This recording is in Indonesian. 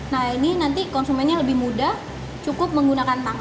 nah ini nanti konsumennya lebih mudah cukup menggunakan tangan